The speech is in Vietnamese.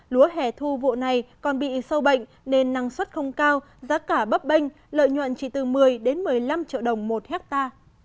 lúa hẻ thu vụ này còn bị sâu bệnh nên năng suất không cao giá cả bấp bênh lợi nhuận chỉ từ một mươi đến một mươi năm triệu đồng một hectare